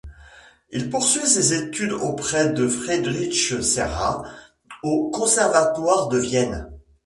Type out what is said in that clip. Il poursuit ses études auprès de Friedrich Cerha au conservatoire de Vienne.